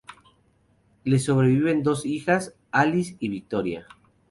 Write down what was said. Le sobreviven dos hijas, Alice y Victoria.